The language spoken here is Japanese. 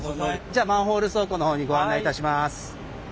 じゃあマンホール倉庫の方にご案内いたします。